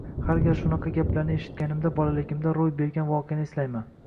Har gal shunaqa gaplarni eshitganimda bolaligimda ro‘y bergan voqeani eslayman.